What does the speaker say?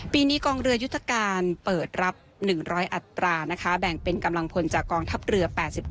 ปีนี้กองเรือยุทธการเปิดรับ๑๐๐อัตรานะคะแบ่งเป็นกำลังพลจากกองทัพเรือ๘๕